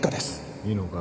いいのか？